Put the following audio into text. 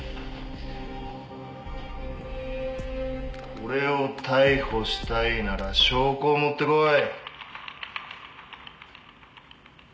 俺を逮捕したいなら証拠を持ってこい。